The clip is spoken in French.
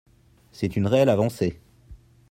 C’est une réelle avancée.